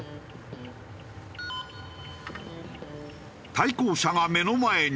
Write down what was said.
対向車が目の前に。